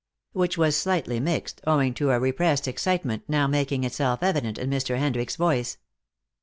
Which was slightly mixed, owing to a repressed excitement now making itself evident in Mr. Hendricks's voice.